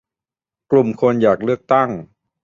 กลุ่มคนอยากเลือกตั้ง